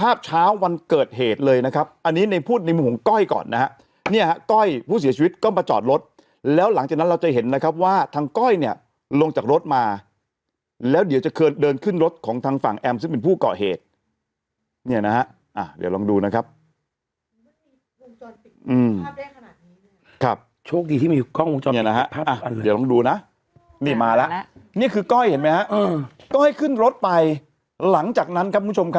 ครับเช้าวันเกิดเหตุเลยนะครับอันนี้ในพูดในมุมของก้อยก่อนนะฮะเนี่ยฮะก้อยผู้เสียชีวิตก็มาจอดรถแล้วหลังจากนั้นเราจะเห็นนะครับว่าทางก้อยเนี่ยลงจากรถมาแล้วเดี๋ยวจะเคยเดินขึ้นรถของทางฝั่งแอมซึ่งเป็นผู้เกาะเหตุเนี่ยนะฮะอ่าเดี๋ยวลองดูนะครับอืมภาพได้ขนาดนี้ใช่ไหมครับโชคดีที่มีก